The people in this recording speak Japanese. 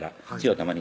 たまに